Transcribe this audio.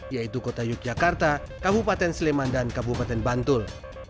yaitu kota yogyakarta kabupaten sleman dan kabupaten bantul